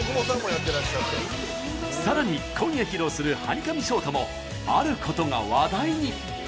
さらに今夜披露する「はにかみショート」もあることが話題に。